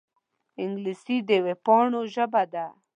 انګلیسي د وېبپاڼو ژبه ده